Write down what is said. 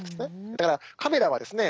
だからカメラはですね